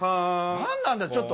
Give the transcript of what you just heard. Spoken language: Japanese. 何なんだよちょっと。